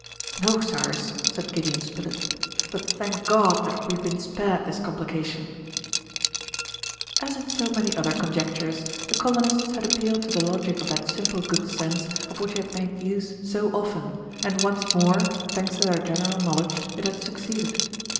"No, Cyrus!" said Gideon Spilett, "but thank God that we have been spared this complication!" As in so many other conjectures, the colonists had appealed to the logic of that simple good sense of which they had made use so often, and once more, thanks to their general knowledge, it had succeeded!